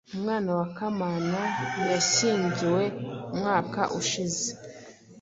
Umwana wa Kamana yashyingiwe umwaka ushize